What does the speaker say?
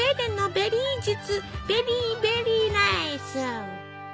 ベリーベリーナイス！